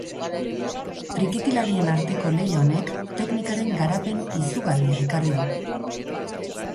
Trikitilarien arteko lehia honek teknikaren garapen izugarria ekarri du.